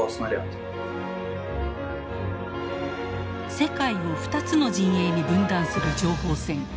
世界を２つの陣営に分断する情報戦。